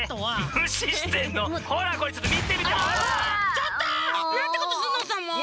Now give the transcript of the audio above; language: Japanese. ちょっと！なんてことすんのさもう。